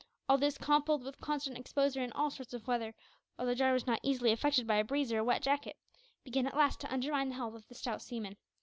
All this, coupled with constant exposure in all sorts of weather although Jarwin was not easily affected by a breeze or a wet jacket began at last to undermine the health of the stout seaman.